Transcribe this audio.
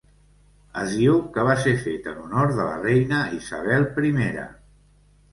Es diu que va ser fet en honor de la Reina Isabel I.